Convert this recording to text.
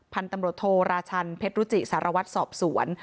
พันธุ์ตำรวจโทราชันเพชรรุจิสารวัตรสอบสวน